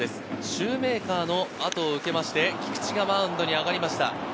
シューメーカーの後を受けて菊地がマウンドに上がりました。